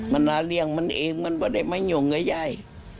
มันละเลี่ยงมันเองมันไม่ได้มายุ่งกับยาย